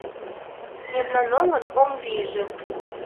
Мемнан оҥын оҥ вийже.